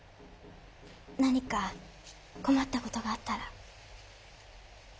何か困った事があったら。